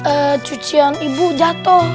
eh cucian ibu jatuh